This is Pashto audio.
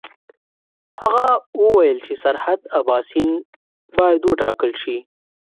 هغه وویل چې سرحد اباسین باید وټاکل شي.